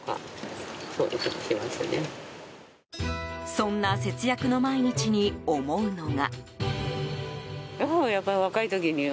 そんな節約の毎日に思うのが。